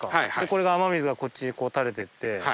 これが雨水がこっちこう垂れていって。